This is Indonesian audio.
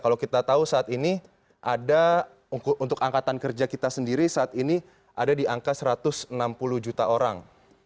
kalau kita tahu saat ini ada untuk angkatan kerja kita sendiri saat ini ada di angka satu ratus enam puluh juta orang